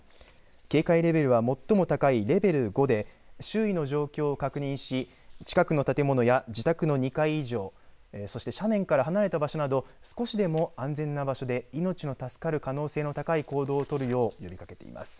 警戒レベルは最も高いレベル５で周囲の状況を確認し近くの建物や自宅の２階以上そして斜面から離れた場所など少しでも安全な場所で命の助かる可能性の高い行動を取るよう呼びかけています。